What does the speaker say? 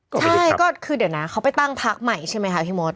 ใช่ก็คือเดี๋ยวนะเขาไปตั้งพักใหม่ใช่ไหมคะพี่มด